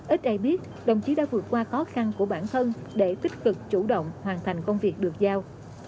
ít ai biết đồng chí đã vượt qua khó khăn của bản thân để tích cực chủ động hoàn thành công việc được giao